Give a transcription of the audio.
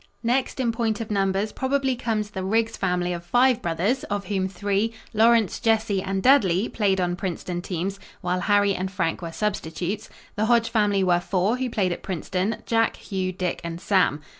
Next in point of numbers probably comes the Riggs family of five brothers, of whom three, Lawrence, Jesse and Dudley, played on Princeton teams, while Harry and Frank were substitutes. The Hodge family were four who played at Princeton Jack, Hugh, Dick and Sam.